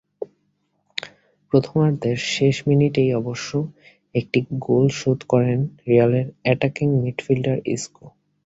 প্রথমার্ধের শেষ মিনিটেই অবশ্য একটি গোল শোধ করেন রিয়ালের অ্যাটাকিং মিডফিল্ডার ইসকো।